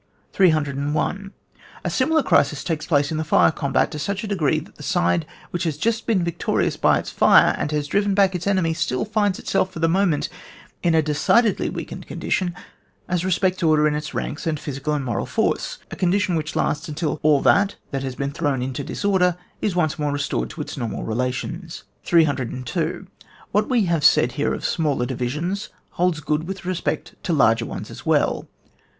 301. A similar crisis also takes place in the fire combat, to such a degree that the side which has just been victorious by its fire, and has driven back its enemy, BtiU finds itself, for the moment, in a decidedly Weakened condition as respects order in its ranks, and physical and moral force, a condition which lasts until all that has been thrown into disorder is once more restored to its normal relations. 302. What we have said here of smaller divisions, holds good with re spect to larger ones as well.